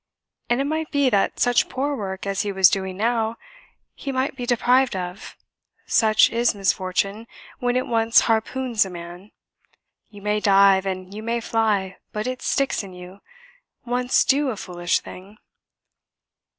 And it might be that such poor work as he was doing now he might be deprived of, such is misfortune when it once harpoons a man; you may dive, and you may fly, but it sticks in you, once do a foolish thing.